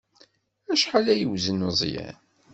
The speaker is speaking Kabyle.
Acḥal ay yewzen Meẓyan?